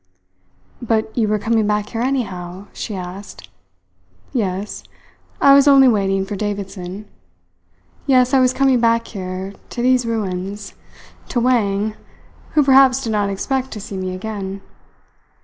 "But you were coming back here anyhow?" she asked. "Yes. I was only waiting for Davidson. Yes, I was coming back here, to these ruins to Wang, who perhaps did not expect to see me again.